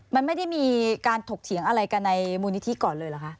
มันไม่ได้มีการถกเถียงอะไรกันในมูลนิธิก่อนเลยเหรอคะ